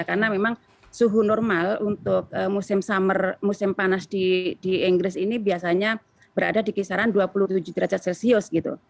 karena memang suhu normal untuk musim summer musim panas di inggris ini biasanya berada di kisaran dua puluh tujuh derajat celcius gitu